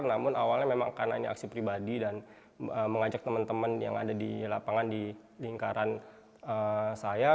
namun awalnya memang karena ini aksi pribadi dan mengajak teman teman yang ada di lapangan di lingkaran saya